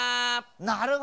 なるほど！